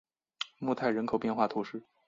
莫泰人口变化图示